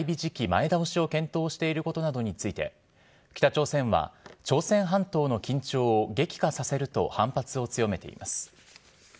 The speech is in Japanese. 前倒しを検討していることなどについて、北朝鮮は朝鮮半島の緊張を激化させると反発を強めています。